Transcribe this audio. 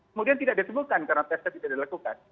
kemudian tidak ditemukan karena tesnya tidak dilakukan